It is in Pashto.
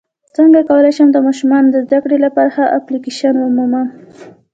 څنګه کولی شم د ماشومانو د زدکړې لپاره ښه اپلیکیشن ومومم